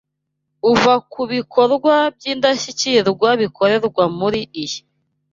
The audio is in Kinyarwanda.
uva ku bikorwa by’indashyikirwa bikorerwa muri iyi